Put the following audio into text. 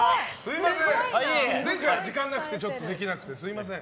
前回は時間がなくてできなくてすみません。